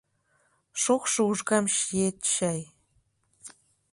Шокшо ужгам чиет чай...